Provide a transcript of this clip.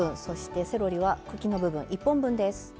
そしてセロリは茎の部分１本分です。